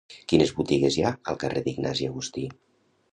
Quines botigues hi ha al carrer d'Ignasi Agustí?